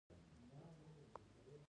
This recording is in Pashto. هغې به فکر کاوه چې فریدګل ولې شراب څښي